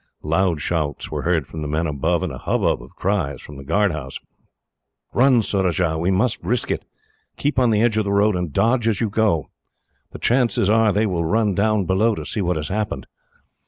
Loud shouts were heard from the men above, and a hubbub of cries from the guard house. "Run, Surajah! We must risk it. Keep on the edge of the road, and dodge as you go. The chances are they will run down below, to see what has happened."